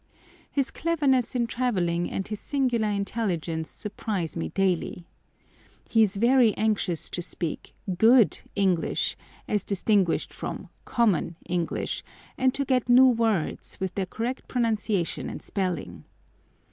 His cleverness in travelling and his singular intelligence surprise me daily. He is very anxious to speak good English, as distinguished from "common" English, and to get new words, with their correct pronunciation and spelling.